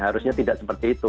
harusnya tidak seperti itu